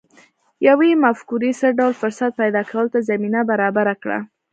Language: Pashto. يوې مفکورې څه ډول فرصت پيدا کولو ته زمينه برابره کړه؟